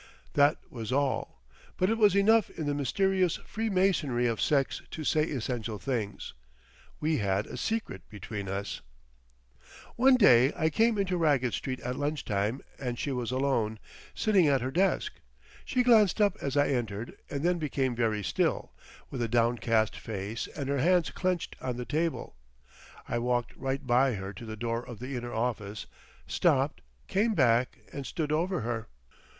That was all. But it was enough in the mysterious free masonry of sex to say essential things. We had a secret between us. One day I came into Raggett Street at lunch time and she was alone, sitting at her desk. She glanced up as I entered, and then became very still, with a downcast face and her hands clenched on the table. I walked right by her to the door of the inner office, stopped, came back and stood over her.